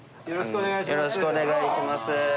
よろしくお願いします